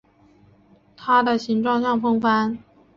它形状像风帆。